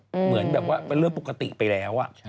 เหมือนแบบว่าเป็นเรื่องปกติไปแล้ว